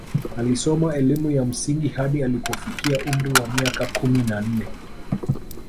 Alisoma elimu ya msingi hadi alipofikia umri wa miaka kumi na nne